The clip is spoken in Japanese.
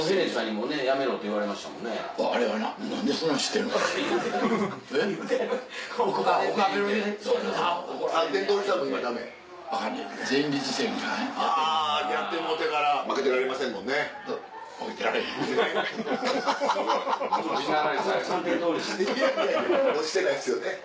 もうしてないですよね。